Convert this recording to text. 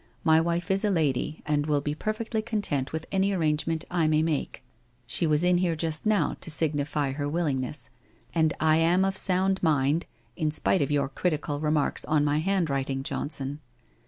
My wife is a lady, and will be perfectly content with any arrangement I may make — she was in here just now, to signify her willingness — and I am of sound mind, in spite of your critical remarks on my handwriting, Johnson.